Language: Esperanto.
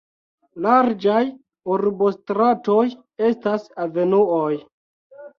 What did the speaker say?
Larĝaj urbostratoj estas avenuoj.